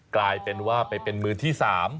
กลายเป็นว่าไปเป็นมือที่๓